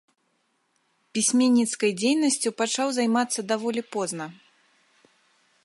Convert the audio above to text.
Пісьменніцкай дзейнасцю пачаў займацца даволі позна.